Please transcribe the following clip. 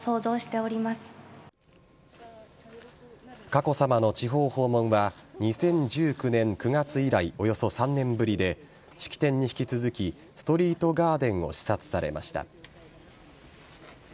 佳子さまの地方訪問は２０１９年９月以来およそ３年ぶりで式典に引き続きストリートガーデンを視察されました。